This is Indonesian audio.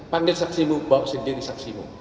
panggil saksimu bawa sendiri saksimu